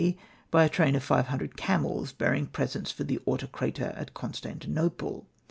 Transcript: D., by a train of five hundred camels bearing presents for the Autokrator at Constantinople.